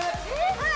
はい。